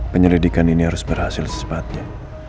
penyelidikan ini harus berhasil secepatnya